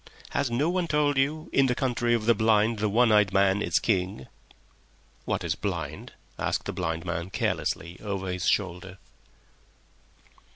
"Has no one told you, 'In the Country of the Blind the One Eyed Man is King?'" "What is blind?" asked the blind man, carelessly, over his shoulder.